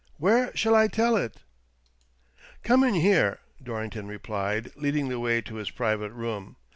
Where shall I tell it ?" "Come in here," Dorrington replied, leading the way to his private room.